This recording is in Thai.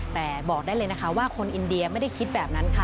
แต่บอกได้เลยนะคะว่าคนอินเดียไม่ได้คิดแบบนั้นค่ะ